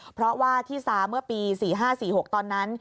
เพราะว่าที่ซาเมื่อปี๔๕๔๖ตอนนั้น